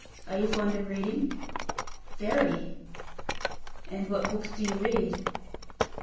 "Are you fond of reading?" "Very." "And what books do you read?"